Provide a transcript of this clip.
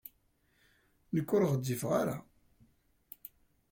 Nekk ur ɣezzifeɣ ara.